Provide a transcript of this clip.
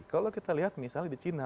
kalau kita lihat misalnya di china